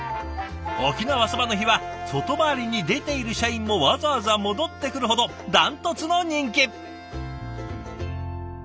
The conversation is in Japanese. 沖縄そばの日は外回りに出ている社員もわざわざ戻ってくるほどダントツの人気。